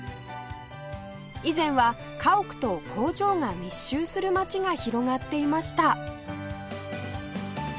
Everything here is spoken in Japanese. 以前は家屋と工場が密集する町が広がっていました